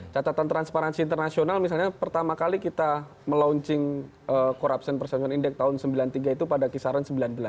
catatan transparansi internasional misalnya pertama kali kita melaunching corruption perception index tahun seribu sembilan ratus sembilan puluh tiga itu pada kisaran sembilan belas dua puluh